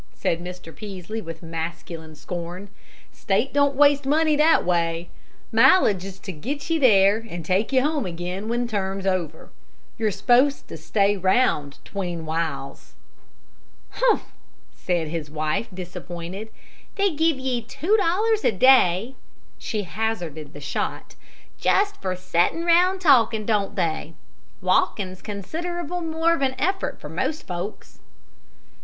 said Mr. Peaslee, with masculine scorn. "State don't waste money that way! Mileage's to get ye there an' take ye home again when term's over. You're s'posed to stay round 'tween whiles." "Humph!" said his wife, disappointed. "They give ye two dollars a day" she hazarded the shot "just for settin' round and talkin', don't they? Walkin's considerable more of an effort for most folks."